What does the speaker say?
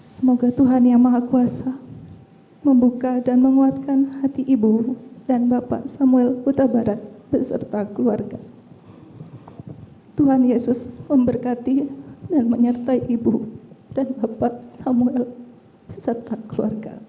semoga tuhan yang maha kuasa membuka dan menguatkan hati ibu dan bapak samuel huta barat besertaku